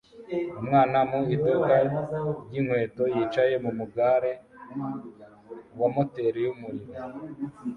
Umwana muto mu iduka ryinkweto yicaye mumugare wa moteri yumuriro